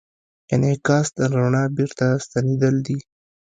انعکاس د رڼا بېرته ستنېدل دي.